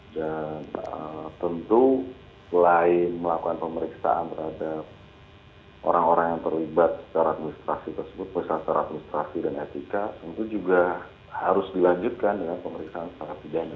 dan tentu selain melakukan pemeriksaan terhadap orang orang yang terlibat secara administrasi tersebut secara administrasi dan etika tentu juga harus dilanjutkan dengan pemeriksaan secara pidana